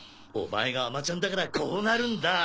お前が甘ちゃんだからこうなるんだ。